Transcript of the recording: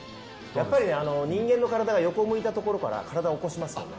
やっぱり人間の体横を向いたところから起こしますよね。